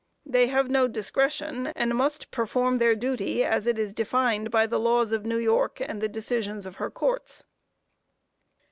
They have no discretion, and must perform their duty, as it is defined by the laws of New York and the decisions of her Courts.